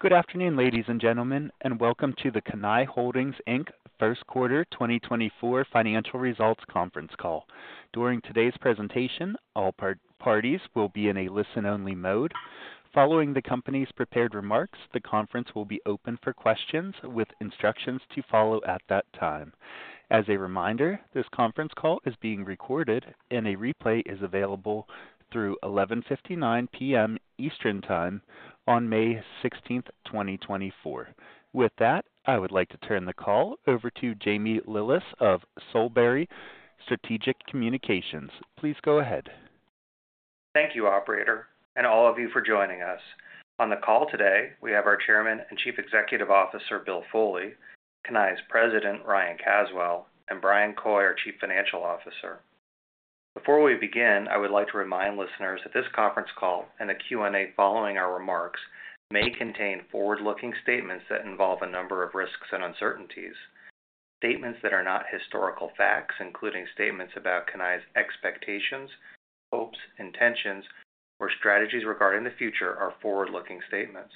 Good afternoon, ladies and gentlemen, and welcome to the Cannae Holdings, Inc., First Quarter 2024 Financial Results Conference Call. During today's presentation, all parties will be in a listen-only mode. Following the company's prepared remarks, the conference will be open for questions with instructions to follow at that time. As a reminder, this conference call is being recorded, and a replay is available through 11:59 P.M. Eastern Time on May 16, 2024. With that, I would like to turn the call over to Jamie Lillis of Solebury Strategic Communications. Please go ahead. Thank you, operator, and all of you for joining us. On the call today, we have our Chairman and Chief Executive Officer, Bill Foley; Cannae's president, Ryan Caswell; and Bryan Coy, our Chief Financial Officer. Before we begin, I would like to remind listeners that this conference call and the Q&A following our remarks may contain forward-looking statements that involve a number of risks and uncertainties. Statements that are not historical facts, including statements about Cannae's expectations, hopes, intentions, or strategies regarding the future, are forward-looking statements.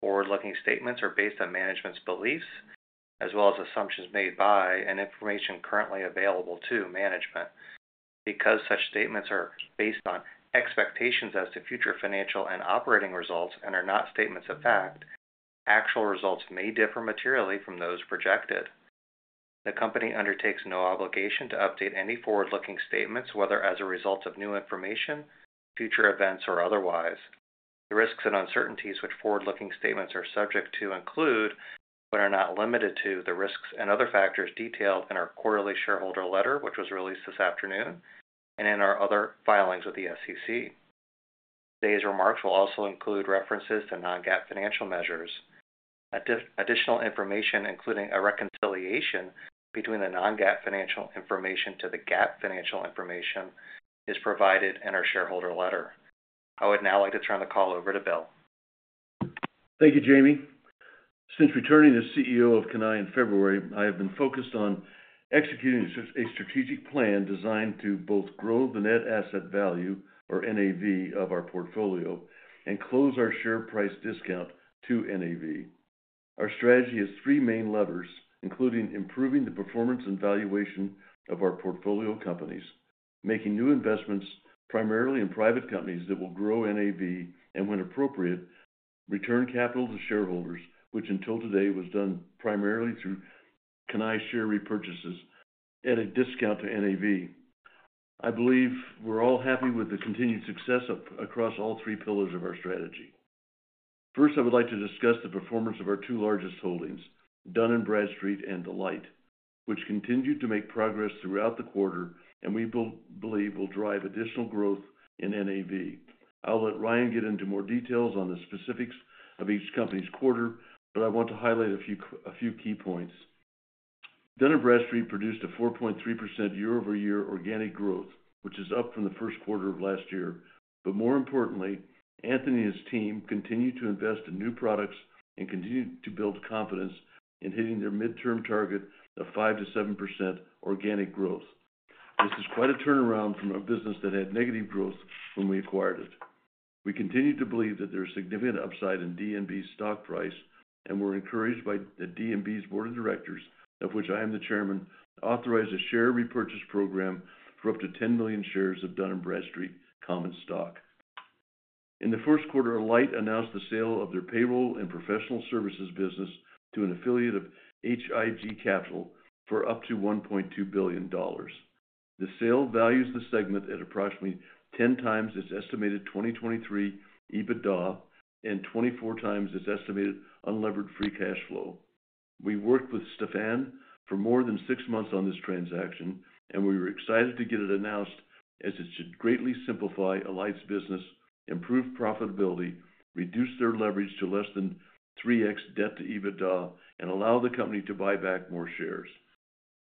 Forward-looking statements are based on management's beliefs as well as assumptions made by and information currently available to management. Because such statements are based on expectations as to future financial and operating results and are not statements of fact, actual results may differ materially from those projected. The company undertakes no obligation to update any forward-looking statements, whether as a result of new information, future events, or otherwise. The risks and uncertainties which forward-looking statements are subject to include, but are not limited to, the risks and other factors detailed in our Quarterly Shareholder Letter, which was released this afternoon, and in our other filings with the SEC. Today's remarks will also include references to non-GAAP financial measures. Additional information, including a reconciliation between the non-GAAP financial information to the GAAP financial information, is provided in our Shareholder Letter. I would now like to turn the call over to Bill. Thank you, Jamie. Since returning as CEO of Cannae in February, I have been focused on executing a strategic plan designed to both grow the net asset value, or NAV, of our portfolio and close our share price discount to NAV. Our strategy has three main levers, including improving the performance and valuation of our portfolio companies, making new investments primarily in private companies that will grow NAV and, when appropriate, return capital to shareholders, which until today was done primarily through Cannae share repurchases, at a discount to NAV. I believe we're all happy with the continued success across all three pillars of our strategy. First, I would like to discuss the performance of our two largest holdings, Dun & Bradstreet and Alight, which continued to make progress throughout the quarter and we believe will drive additional growth in NAV. I'll let Ryan get into more details on the specifics of each company's quarter, but I want to highlight a few key points. Dun & Bradstreet produced a 4.3% year-over-year organic growth, which is up from the first quarter of last year. But more importantly, Anthony and his team continued to invest in new products and continued to build confidence in hitting their midterm target of 5%-7% organic growth. This is quite a turnaround from a business that had negative growth when we acquired it. We continue to believe that there is significant upside in D&B's stock price, and we're encouraged by D&B's board of directors, of which I am the chairman, to authorize a share repurchase program for up to 10 million shares of Dun & Bradstreet Common Stock. In the first quarter, Alight announced the sale of their payroll and professional services business to an affiliate of H.I.G. Capital for up to $1.2 billion. The sale values the segment at approximately 10x its estimated 2023 EBITDA and 24x its estimated unlevered free cash flow. We worked with Stephan for more than six months on this transaction, and we were excited to get it announced as it should greatly simplify Alight's business, improve profitability, reduce their leverage to less than 3x debt to EBITDA, and allow the company to buy back more shares.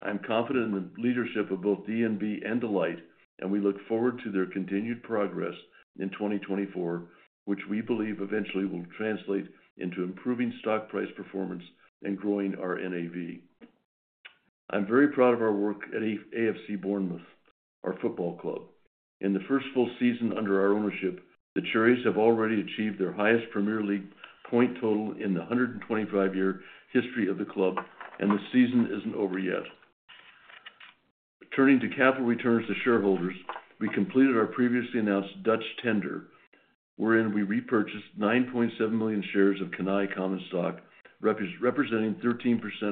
I'm confident in the leadership of both D&B and Alight, and we look forward to their continued progress in 2024, which we believe eventually will translate into improving stock price performance and growing our NAV. I'm very proud of our work at AFC Bournemouth, our football club. In the first full season under our ownership, the Cherries have already achieved their highest Premier League point total in the 125-year history of the club, and the season isn't over yet. Turning to capital returns to shareholders, we completed our previously announced Dutch tender, wherein we repurchased 9.7 million shares of Cannae Common Stock, representing 13%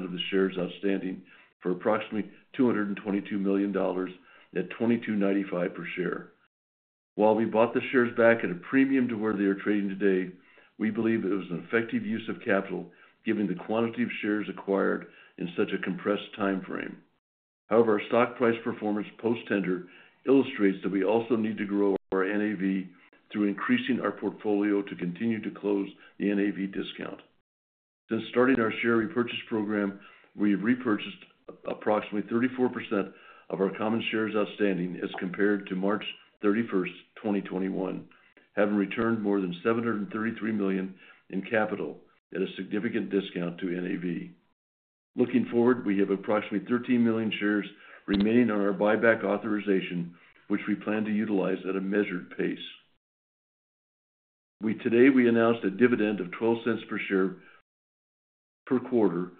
of the shares outstanding for approximately $222 million at $22.95 per share. While we bought the shares back at a premium to where they are trading today, we believe it was an effective use of capital, given the quantity of shares acquired in such a compressed time frame. However, our stock price performance post-tender illustrates that we also need to grow our NAV through increasing our portfolio to continue to close the NAV discount. Since starting our share repurchase program, we have repurchased approximately 34% of our common shares outstanding as compared to March 31, 2021, having returned more than $733 million in capital at a significant discount to NAV. Looking forward, we have approximately 13 million shares remaining on our buyback authorization, which we plan to utilize at a measured pace. Today, we announced a dividend of $0.12 per share per quarter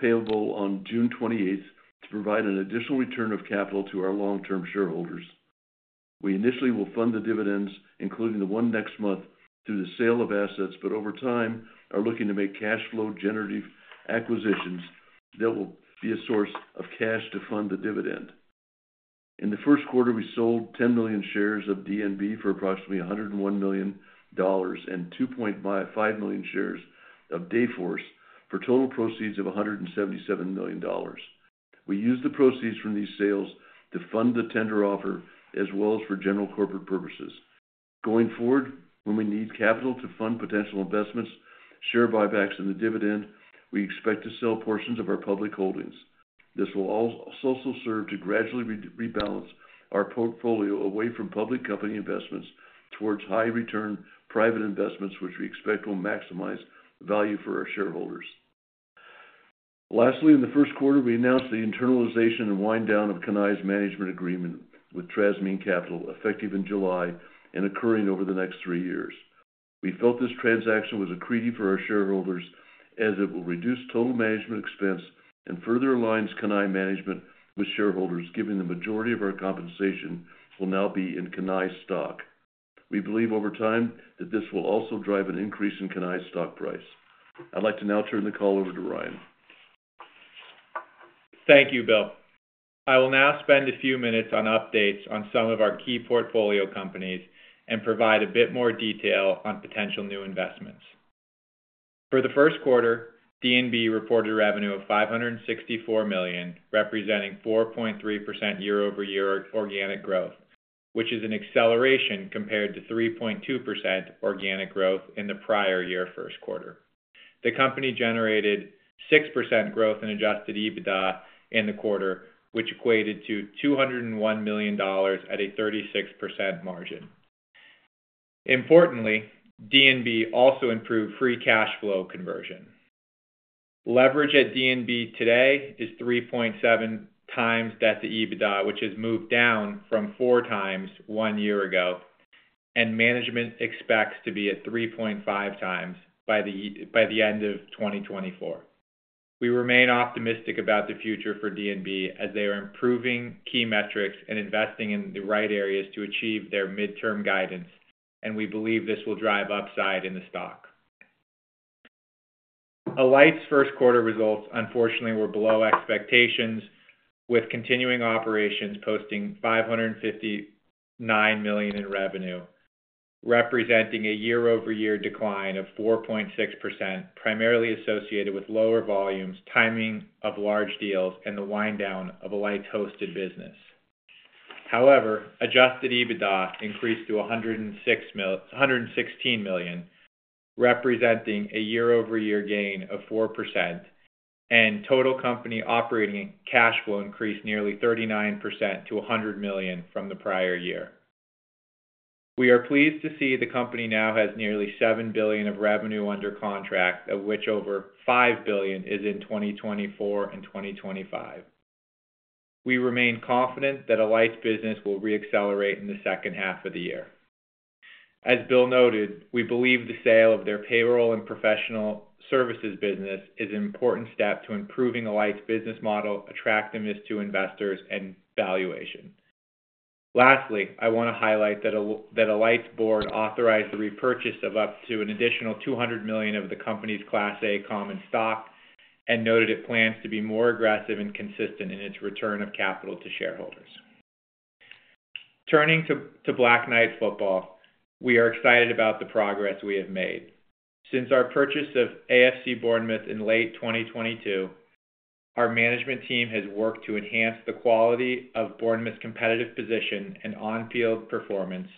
payable on June 28 to provide an additional return of capital to our long-term shareholders. We initially will fund the dividends, including the one next month, through the sale of assets, but over time are looking to make cash flow-generative acquisitions that will be a source of cash to fund the dividend. In the first quarter, we sold 10 million shares of D&B for approximately $101 million and 2.5 million shares of Dayforce for total proceeds of $177 million. We used the proceeds from these sales to fund the tender offer as well as for general corporate purposes. Going forward, when we need capital to fund potential investments, share buybacks, and the dividend, we expect to sell portions of our public holdings. This will also serve to gradually rebalance our portfolio away from public company investments towards high-return private investments, which we expect will maximize value for our shareholders. Lastly, in the first quarter, we announced the internalization and wind-down of Cannae's management agreement with Trasimene Capital, effective in July and occurring over the next three years. We felt this transaction was a treat for our shareholders as it will reduce total management expense and further align Cannae management with shareholders, giving the majority of our compensation will now be in Cannae stock. We believe over time that this will also drive an increase in Cannae stock price. I'd like to now turn the call over to Ryan. Thank you, Bill. I will now spend a few minutes on updates on some of our key portfolio companies and provide a bit more detail on potential new investments. For the first quarter, D&B reported revenue of $564 million, representing 4.3% year-over-year organic growth, which is an acceleration compared to 3.2% organic growth in the prior year first quarter. The company generated 6% growth in adjusted EBITDA in the quarter, which equated to $201 million at a 36% margin. Importantly, D&B also improved free cash flow conversion. Leverage at D&B today is 3.7x debt to EBITDA, which has moved down from 4x one year ago, and management expects to be at 3.5x by the end of 2024. We remain optimistic about the future for D&B as they are improving key metrics and investing in the right areas to achieve their midterm guidance, and we believe this will drive upside in the stock. Alight's first quarter results, unfortunately, were below expectations, with continuing operations posting $559 million in revenue, representing a year-over-year decline of 4.6%, primarily associated with lower volumes, timing of large deals, and the wind-down of Alight's hosted business. However, Adjusted EBITDA increased to $116 million, representing a year-over-year gain of 4%, and total company operating cash flow increased nearly 39% to $100 million from the prior year. We are pleased to see the company now has nearly $7 billion of revenue under contract, of which over $5 billion is in 2024 and 2025. We remain confident that Alight's business will reaccelerate in the second half of the year. As Bill noted, we believe the sale of their payroll and professional services business is an important step to improving Alight's business model, attractiveness to investors, and valuation. Lastly, I want to highlight that Alight's board authorized the repurchase of up to an additional $200 million of the company's Class A Common Stock and noted it plans to be more aggressive and consistent in its return of capital to shareholders. Turning to Black Knight football, we are excited about the progress we have made. Since our purchase of AFC Bournemouth in late 2022, our management team has worked to enhance the quality of Bournemouth's competitive position and on-field performance,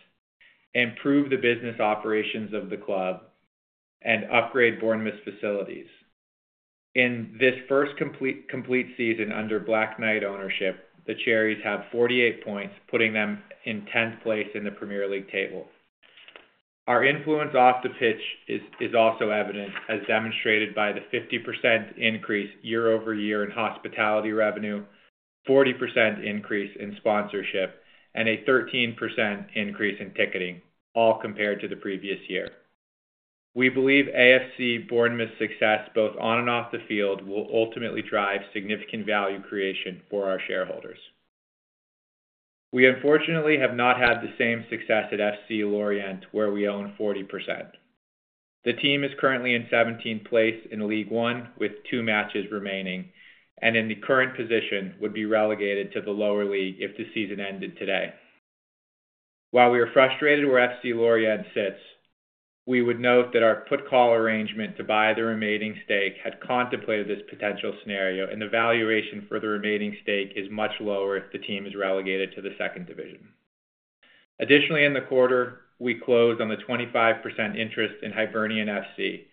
improve the business operations of the club, and upgrade Bournemouth's facilities. In this first complete season under Black Knight ownership, the Cherries have 48 points, putting them in 10th place in the Premier League table. Our influence off the pitch is also evident, as demonstrated by the 50% increase year-over-year in hospitality revenue, 40% increase in sponsorship, and a 13% increase in ticketing, all compared to the previous year. We believe AFC Bournemouth's success both on and off the field will ultimately drive significant value creation for our shareholders. We, unfortunately, have not had the same success at FC Lorient, where we own 40%. The team is currently in 17th place in Ligue 1, with 2 matches remaining, and in the current position would be relegated to the lower league if the season ended today. While we are frustrated where FC Lorient sits, we would note that our put-call arrangement to buy the remaining stake had contemplated this potential scenario, and the valuation for the remaining stake is much lower if the team is relegated to the second division. Additionally, in the quarter, we closed on the 25% interest in Hibernian FC,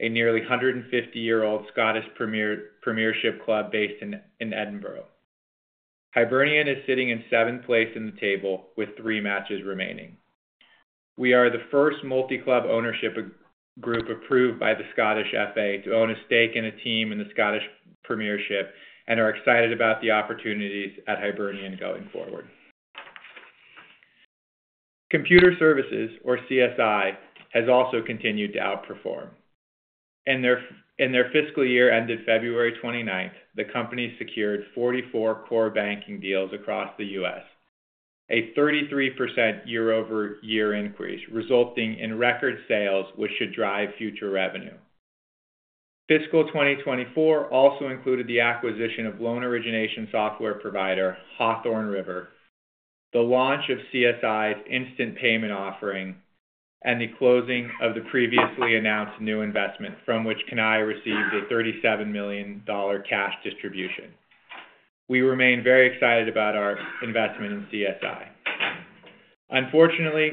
a nearly 150-year-old Scottish Premiership club based in Edinburgh. Hibernian is sitting in seventh place in the table with three matches remaining. We are the first multi-club ownership group approved by the Scottish FA to own a stake in a team in the Scottish Premiership and are excited about the opportunities at Hibernian going forward. Computer Services, or CSI, has also continued to outperform. In their fiscal year ended February 29, the company secured 44 core banking deals across the U.S., a 33% year-over-year increase resulting in record sales, which should drive future revenue. Fiscal 2024 also included the acquisition of loan origination software provider Hawthorne River, the launch of CSI's instant payment offering, and the closing of the previously announced new investment from which Cannae received a $37 million cash distribution. We remain very excited about our investment in CSI. Unfortunately,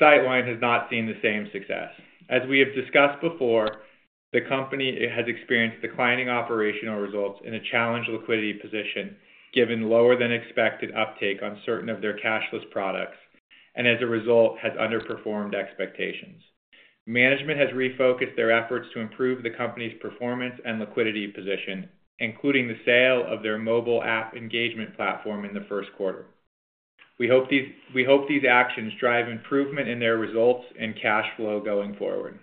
Sightline has not seen the same success. As we have discussed before, the company has experienced declining operational results in a challenged liquidity position, given lower-than-expected uptake on certain of their cashless products, and as a result, has underperformed expectations. Management has refocused their efforts to improve the company's performance and liquidity position, including the sale of their mobile app engagement platform in the first quarter. We hope these actions drive improvement in their results and cash flow going forward.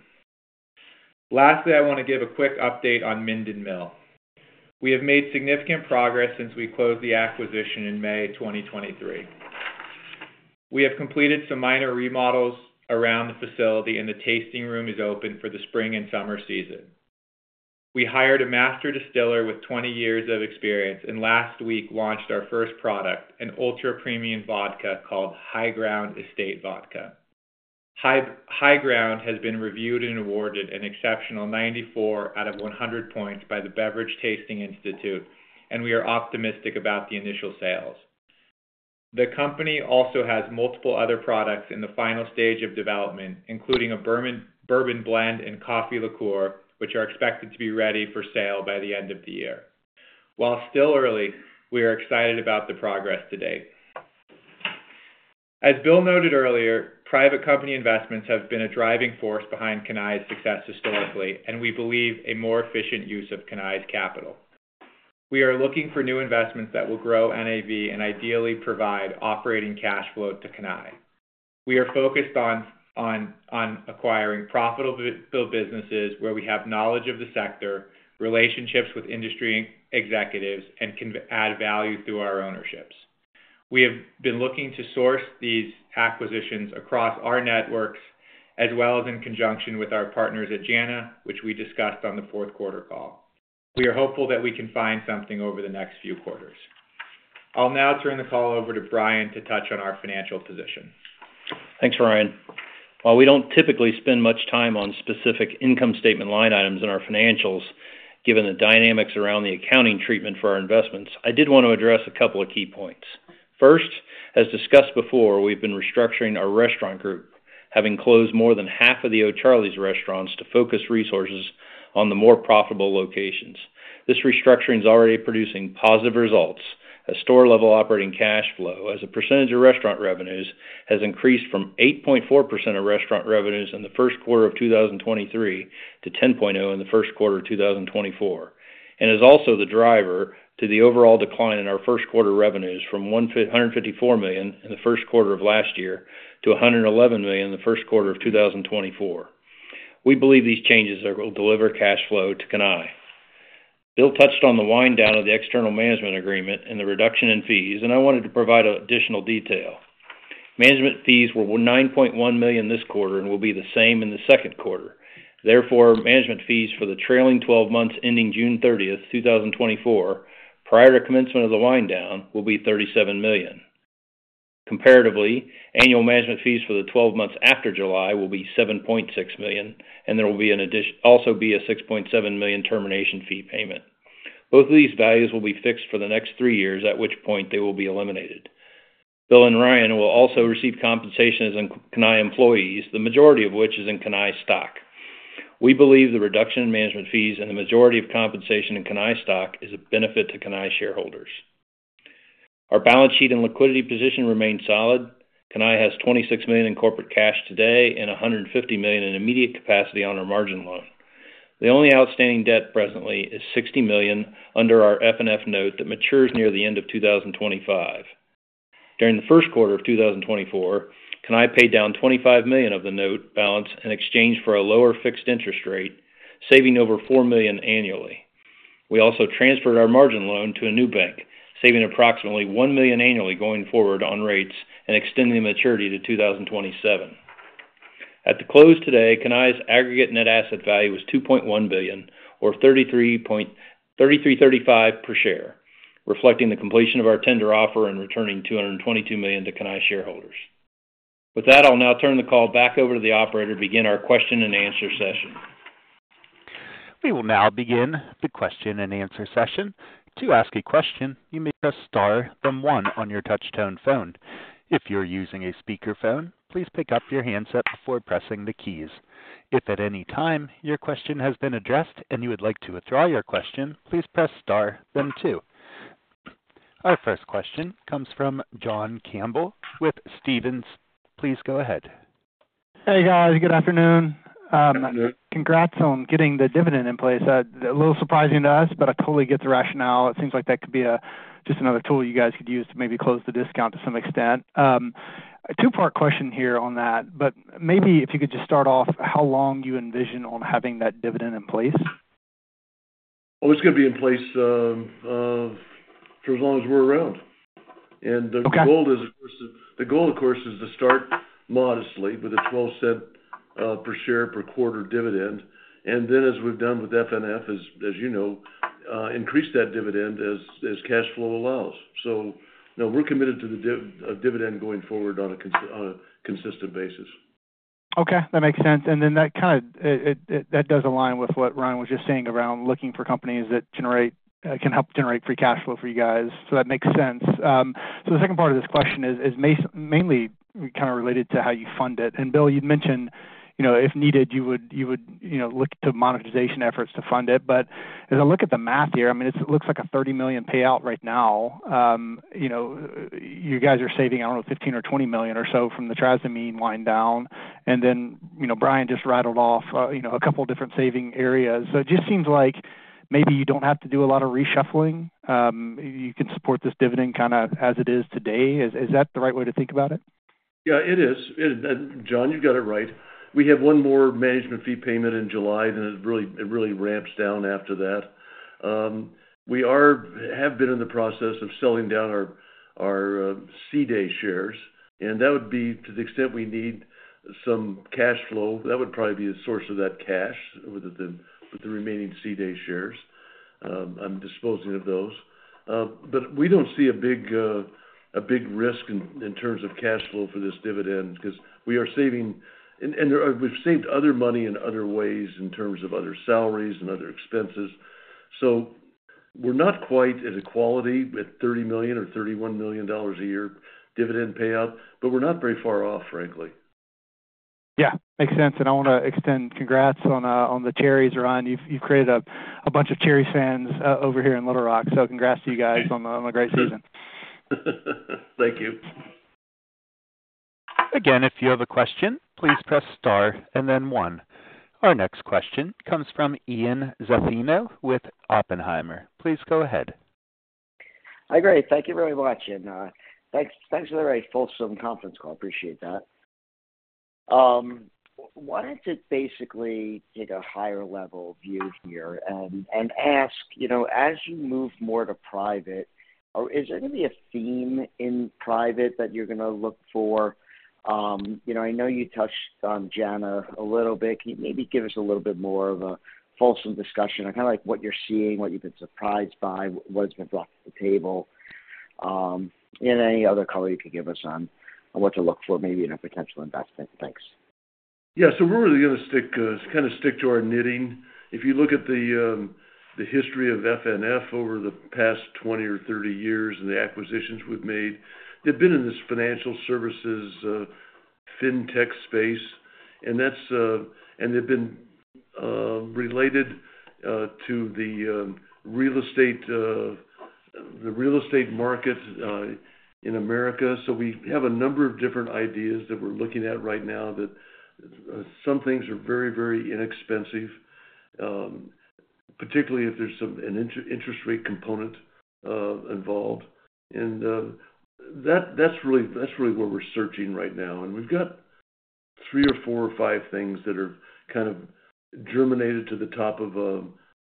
Lastly, I want to give a quick update on Minden Mill. We have made significant progress since we closed the acquisition in May 2023. We have completed some minor remodels around the facility, and the tasting room is open for the spring and summer season. We hired a master distiller with 20 years of experience and last week launched our first product, an ultra-premium vodka called High Ground Estate Vodka. High Ground has been reviewed and awarded an exceptional 94 out of 100 points by the Beverage Tasting Institute, and we are optimistic about the initial sales. The company also has multiple other products in the final stage of development, including a bourbon blend and coffee liqueur, which are expected to be ready for sale by the end of the year. While still early, we are excited about the progress to date. As Bill noted earlier, private company investments have been a driving force behind Cannae's success historically, and we believe a more efficient use of Cannae's capital. We are looking for new investments that will grow NAV and ideally provide operating cash flow to Cannae. We are focused on acquiring profitable businesses where we have knowledge of the sector, relationships with industry executives, and add value through our ownerships. We have been looking to source these acquisitions across our networks as well as in conjunction with our partners at JANA, which we discussed on the fourth quarter call. We are hopeful that we can find something over the next few quarters. I'll now turn the call over to Bryan to touch on our financial position. Thanks, Ryan. While we don't typically spend much time on specific income statement line items in our financials, given the dynamics around the accounting treatment for our investments, I did want to address a couple of key points. First, as discussed before, we've been restructuring our restaurant group, having closed more than half of the O'Charley's restaurants to focus resources on the more profitable locations. This restructuring is already producing positive results as store-level operating cash flow, as a percentage of restaurant revenues has increased from 8.4% of restaurant revenues in the first quarter of 2023 to 10.0% in the first quarter of 2024, and is also the driver to the overall decline in our first quarter revenues from $154 million in the first quarter of last year to $111 million in the first quarter of 2024. We believe these changes will deliver cash flow to Cannae. Bill touched on the wind-down of the external management agreement and the reduction in fees, and I wanted to provide additional detail. Management fees were $9.1 million this quarter and will be the same in the second quarter. Therefore, management fees for the trailing 12 months ending June 30, 2024, prior to commencement of the wind-down, will be $37 million. Comparatively, annual management fees for the 12 months after July will be $7.6 million, and there will also be a $6.7 million termination fee payment. Both of these values will be fixed for the next three years, at which point they will be eliminated. Bill and Ryan will also receive compensation as Cannae employees, the majority of which is in Cannae stock. We believe the reduction in management fees and the majority of compensation in Cannae stock is a benefit to Cannae shareholders. Our balance sheet and liquidity position remain solid. Cannae has $26 million in corporate cash today and $150 million in immediate capacity on our margin loan. The only outstanding debt presently is $60 million under our FNF note that matures near the end of 2025. During the first quarter of 2024, Cannae paid down $25 million of the note balance in exchange for a lower fixed interest rate, saving over $4 million annually. We also transferred our margin loan to a new bank, saving approximately $1 million annually going forward on rates and extending the maturity to 2027. At the close today, Cannae's aggregate net asset value was $2.1 billion, or $33.35 per share, reflecting the completion of our tender offer and returning $222 million to Cannae shareholders. With that, I'll now turn the call back over to the operator to begin our question-and-answer session. We will now begin the question-and-answer session. To ask a question, you may press star then one on your touchstone phone. If you're using a speakerphone, please pick up your handset before pressing the keys. If at any time your question has been addressed and you would like to withdraw your question, please press star then two. Our first question comes from John Campbell with Stephens. Please go ahead. Hey, guys. Good afternoon. Congrats on getting the dividend in place. A little surprising to us, but I totally get the rationale. It seems like that could be just another tool you guys could use to maybe close the discount to some extent. Two-part question here on that, but maybe if you could just start off, how long you envision on having that dividend in place? Well, it's going to be in place for as long as we're around. The goal, of course, is to start modestly with a $0.12 per share per quarter dividend, and then as we've done with FNF, as you know, increase that dividend as cash flow allows. We're committed to the dividend going forward on a consistent basis. Okay. That makes sense. And then that kind of does align with what Ryan was just saying around looking for companies that can help generate free cash flow for you guys. So that makes sense. So the second part of this question is mainly kind of related to how you fund it. And Bill, you'd mentioned if needed, you would look to monetization efforts to fund it. But as I look at the math here, I mean, it looks like a $30 million payout right now. You guys are saving, I don't know, $15 million or $20 million or so from the Trasimene wind-down. And then Bryan just rattled off a couple of different saving areas. So it just seems like maybe you don't have to do a lot of reshuffling. You can support this dividend kind of as it is today. Is that the right way to think about it? Yeah, it is. John, you've got it right. We have one more management fee payment in July, then it really ramps down after that. We have been in the process of selling down our CDAY shares, and that would be to the extent we need some cash flow, that would probably be a source of that cash with the remaining CDAY shares. I'm disposing of those. But we don't see a big risk in terms of cash flow for this dividend because we are saving and we've saved other money in other ways in terms of other salaries and other expenses. So we're not quite at equality with $30 million or $31 million a year dividend payout, but we're not very far off, frankly. Yeah. Makes sense. And I want to extend congrats on the Cherries, Ryan. You've created a bunch of Cherries fans over here in Little Rock, so congrats to you guys on a great season. Thank you. Again, if you have a question, please press star and then one. Our next question comes from Ian Zaffino with Oppenheimer. Please go ahead. All right. Great. Thank you very much. And thanks for the very fulsome conference call. Appreciate that. Why don't you basically take a higher-level view here and ask, as you move more to private, is there going to be a theme in private that you're going to look for? I know you touched on JANA a little bit. Can you maybe give us a little bit more of a fulsome discussion on kind of what you're seeing, what you've been surprised by, what's been brought to the table? And any other color you could give us on what to look for, maybe in a potential investment. Thanks. Yeah. So we're really going to kind of stick to our knitting. If you look at the history of F&F over the past 20 or 30 years and the acquisitions we've made, they've been in this financial services fintech space, and they've been related to the real estate market in America. So we have a number of different ideas that we're looking at right now that some things are very, very inexpensive, particularly if there's an interest rate component involved. And that's really where we're searching right now. And we've got three or four or five things that have kind of germinated to the top of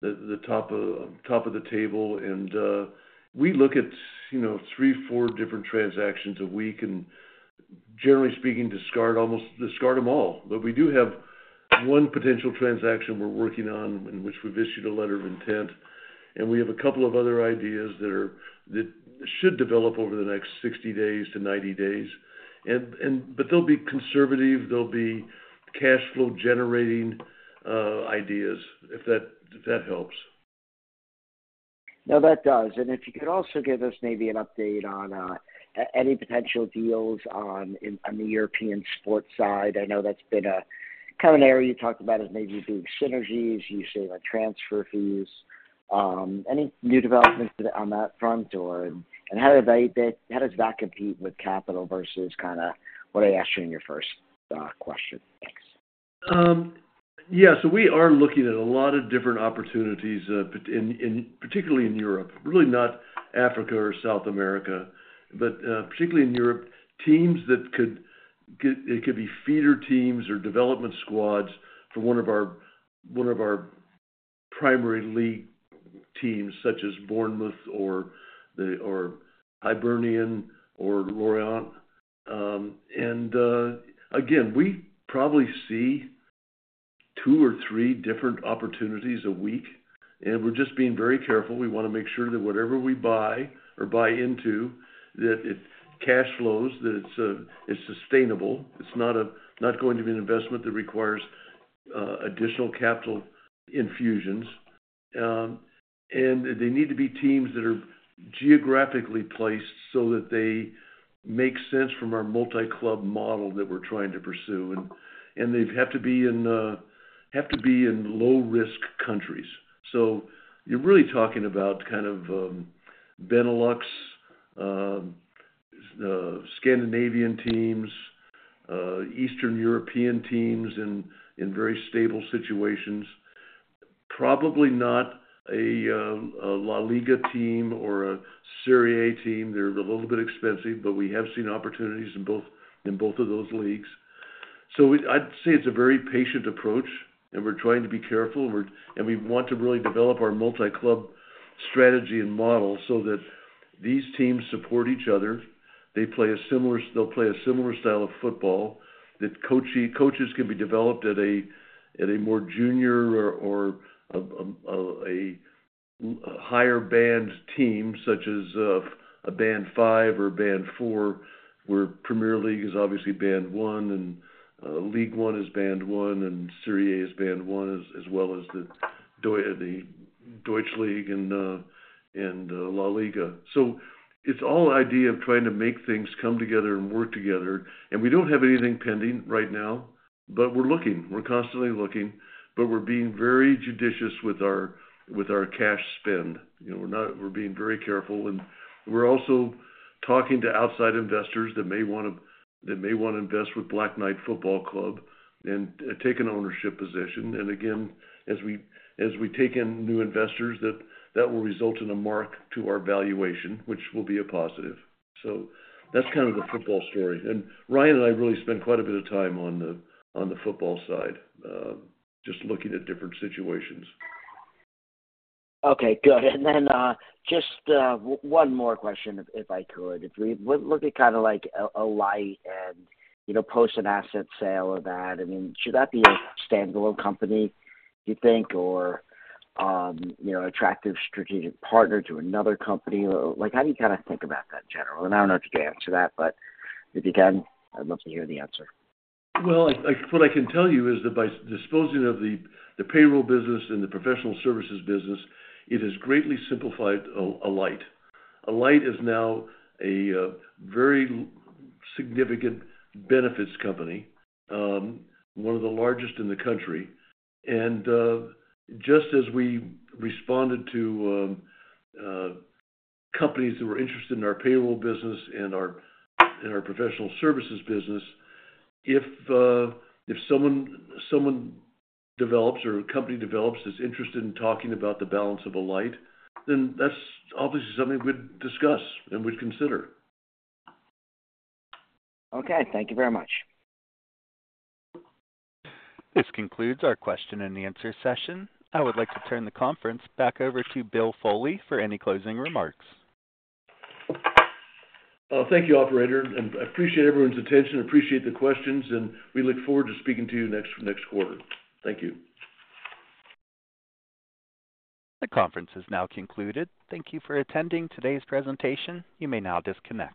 the table. And we look at three, four different transactions a week and, generally speaking, discard them all. But we do have one potential transaction we're working on in which we've issued a letter of intent. We have a couple of other ideas that should develop over the next 60-90 days, but they'll be conservative. They'll be cash flow-generating ideas, if that helps. No, that does. And if you could also give us maybe an update on any potential deals on the European sports side. I know that's been kind of an area you talked about as maybe being synergies. You say transfer fees. Any new developments on that front? Or how does that compete with capital versus kind of what I asked you in your first question? Thanks. Yeah. So we are looking at a lot of different opportunities, particularly in Europe, really not Africa or South America, but particularly in Europe, teams that could be feeder teams or development squads for one of our primary league teams such as Bournemouth or Hibernian or Lorient. And again, we probably see two or three different opportunities a week, and we're just being very careful. We want to make sure that whatever we buy or buy into, that it cash flows, that it's sustainable. It's not going to be an investment that requires additional capital infusions. And they need to be teams that are geographically placed so that they make sense from our multi-club model that we're trying to pursue. And they have to be in low-risk countries. You're really talking about kind of Benelux, Scandinavian teams, Eastern European teams in very stable situations, probably not a La Liga team or a Serie A team. They're a little bit expensive, but we have seen opportunities in both of those leagues. I'd say it's a very patient approach, and we're trying to be careful. We want to really develop our multi-club strategy and model so that these teams support each other. They'll play a similar style of football that coaches can be developed at a more junior or a higher band team such as a band 5 or band 4, where Premier League is obviously band 1, and League One is band 1, and Serie A is band 1, as well as the Bundesliga and La Liga. It's all an idea of trying to make things come together and work together. And we don't have anything pending right now, but we're looking. We're constantly looking, but we're being very judicious with our cash spend. We're being very careful. And we're also talking to outside investors that may want to invest with Black Knight Football Club and take an ownership position. And again, as we take in new investors, that will result in a mark to our valuation, which will be a positive. So that's kind of the football story. And Ryan and I really spend quite a bit of time on the football side, just looking at different situations. Okay. Good. And then just one more question, if I could. If we look at kind of Alight and post an asset sale of that, I mean, should that be a standalone company, do you think, or attractive strategic partner to another company? How do you kind of think about that in general? And I don't know if you can answer that, but if you can, I'd love to hear the answer. Well, what I can tell you is that by disposing of the payroll business and the professional services business, it has greatly simplified Alight. Alight is now a very significant benefits company, one of the largest in the country. Just as we responded to companies that were interested in our payroll business and our professional services business, if someone develops or a company develops that's interested in talking about the balance of Alight, then that's obviously something we'd discuss and would consider. Okay. Thank you very much. This concludes our question-and-answer session. I would like to turn the conference back over to Bill Foley for any closing remarks. Thank you, operator. I appreciate everyone's attention. Appreciate the questions, and we look forward to speaking to you next quarter. Thank you. The conference has now concluded. Thank you for attending today's presentation. You may now disconnect.